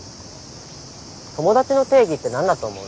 友達の定義って何だと思う？